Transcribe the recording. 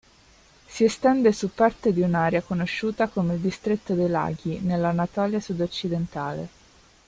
Si estende su parte di un'area conosciuta come il Distretto dei laghi nell'Anatolia sudoccidentale.